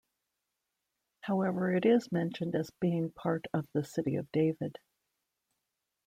However it is mentioned as being part of the City of David.